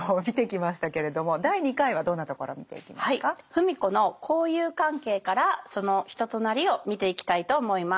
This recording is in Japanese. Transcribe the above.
芙美子の交友関係からその人となりを見ていきたいと思います。